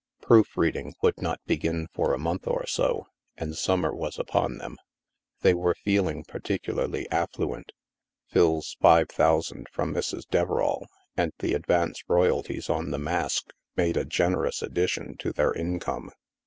Proof reading would not begin for a month or so, and summer was upon them. They were feel ing particularly affluent. Phil's five thousand from Mrs. Deverall and the advance royalties on " The Mask " made a generous addition to their income.